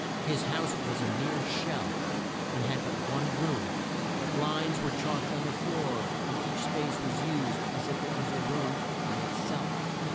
His house was a mere shell, and had but one room, but lines were chalked on the floor and each space was used as if it was a room by it self.